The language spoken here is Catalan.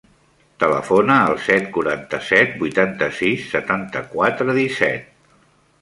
Telefona al set, quaranta-set, vuitanta-sis, setanta-quatre, disset.